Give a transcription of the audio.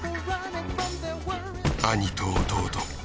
兄と弟。